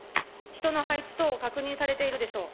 人の配置等を確認されているでしょう。